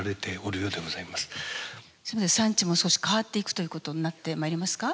産地も少し変わっていくということになってまいりますか？